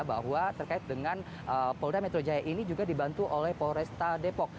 bahwa terkait dengan polda metro jaya ini juga dibantu oleh polresta depok